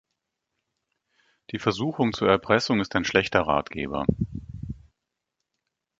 Die Versuchung zur Erpressung ist ein schlechter Ratgeber.